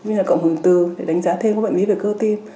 như là cộng hưởng từ để đánh giá thêm các bệnh lý về cơ tim